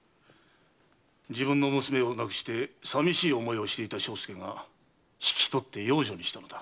自分の娘を亡くして寂しい思いをしていた庄助が引き取って養女にしたのだ。